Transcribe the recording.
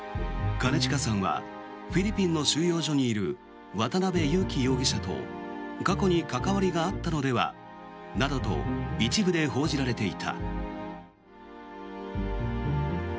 兼近さんはフィリピンの収容所にいる渡邉優樹容疑者と過去に関わりがあったのではなどと一部で報じられていた。